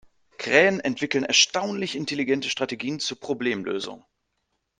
Krähen entwickeln erstaunlich intelligente Strategien zur Problemlösung.